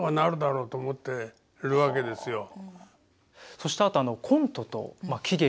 そしてあとあのコントと喜劇